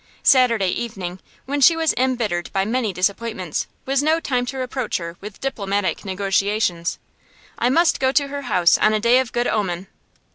Saturday evening, when she was embittered by many disappointments, was no time to approach her with diplomatic negotiations. I must go to her house on a day of good omen.